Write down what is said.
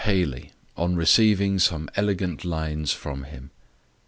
HAYLEY, On receiving some elegant lines from him.